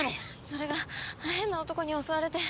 それが変な男に襲われて。